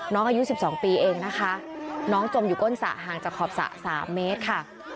น้องอายุ๑๒ปีเองนะคะน้องจมอยู่ก้นสระห่างจากขอบสระ๓เมตรค่ะ